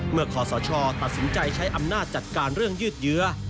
ขอสชตัดสินใจใช้อำนาจจัดการเรื่องยืดเยื้อ